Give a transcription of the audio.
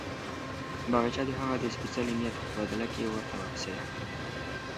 باغچه د هغه د سپېڅلي نیت په بدل کې ورته ورسېده.